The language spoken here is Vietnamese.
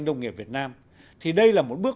nông nghiệp việt nam thì đây là một bước